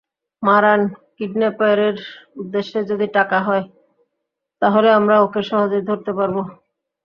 মারান, কিডন্যাপারের উদ্দেশ্য যদি টাকা হয়, তাহলে আমরা ওকে সহজেই ধরতে পারব।